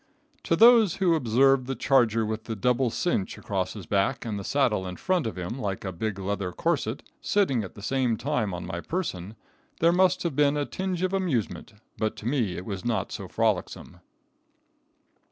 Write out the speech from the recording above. To those who observed the charger with the double "cinch" across his back and the saddle in front of him like a big leather corset, sitting at the same time on my person, there must have been a tinge of amusement; but to me it was not so frolicsome.